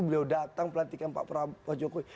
beliau datang pelantikan pak jokowi